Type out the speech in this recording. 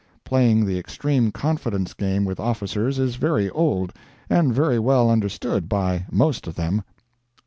Playing the extreme confidence game with officers is very old, and very well understood by most of them.